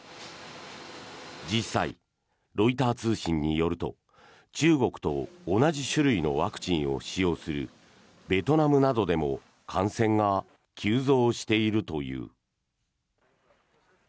実際、ロイター通信によると中国と同じ種類のワクチンを使用するベトナムなどでも感染が急増しているという。